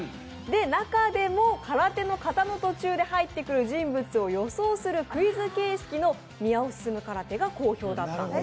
中でも空手の型の途中で入ってくる人物を予想するクイズ形式の宮尾すすむ空手が公表だったんです。